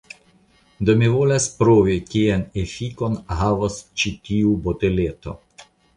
Do mi volas provi kian efikon havos ĉi tiu boteleto.